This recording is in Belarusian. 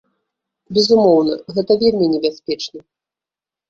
Безумоўна, гэта вельмі небяспечна.